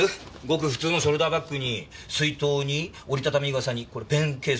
ごく普通のショルダーバッグに水筒に折りたたみ傘にこれペンケースでしょ。